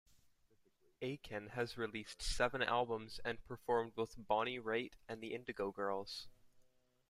Aiken has released seven albums and performed with Bonnie Raitt and the Indigo Girls.